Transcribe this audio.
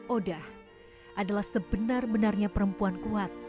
oda adalah sebenar benarnya perempuan kuat